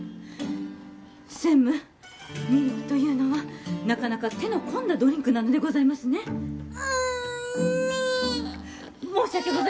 専務ミルクというのはなかなか手の込んだドリンクなのでございますね申し訳